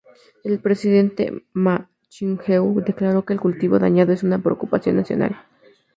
El presidente Ma Ying-jeou declaró que el cultivo dañado es una preocupación nacional.